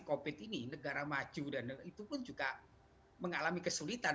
covid ini negara maju dan itu pun juga mengalami kesulitan mengatas ini amerika it muslim karena ini